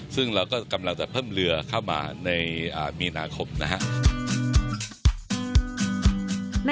ซึ่งเราก็กำลังจะเพิ่มเรือเข้ามาในมีนาคมนะครับ